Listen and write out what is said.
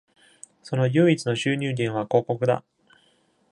その唯一の収入源は広告だ。